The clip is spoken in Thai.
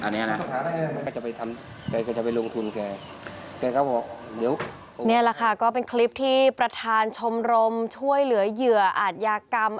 อันนี้นะก็เป็นคลิปที่ประธานชมรมช่วยเหลือเหยื่ออาจยากรรม